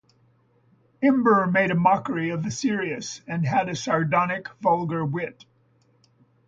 Imber made a mockery of the serious and had a sardonic vulgar wit.